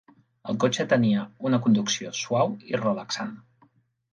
El cotxe tenia una conducció suau i relaxant.